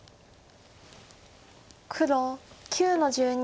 黒９の十二。